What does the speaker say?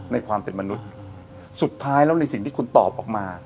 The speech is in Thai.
ในความเป็นมนุษย์สุดท้ายแล้วในสิ่งที่คุณตอบออกมา